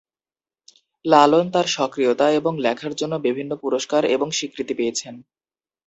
লালন তার সক্রিয়তা এবং লেখার জন্য বিভিন্ন পুরস্কার এবং স্বীকৃতি পেয়েছেন।